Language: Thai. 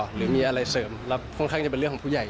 หรือมีอะไรเสริมแล้วค่อนข้างจะเป็นเรื่องของผู้ใหญ่